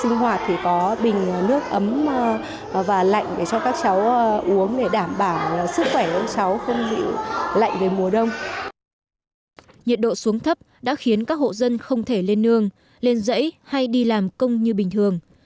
nhiệt độ xuống thấp đã khiến các hộ dân không thể lên nương lên rẫy hay đi làm công như bình thường